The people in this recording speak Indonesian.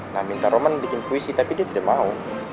nah minta roman bikin puisi tapi dia tidak mau